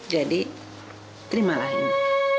jadi terimalah ibu